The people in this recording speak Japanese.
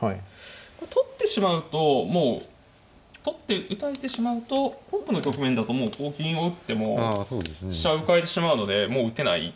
これ取ってしまうともう取って打たれてしまうと本譜の局面だともうこう銀を打っても飛車を浮かれてしまうのでもう打てない。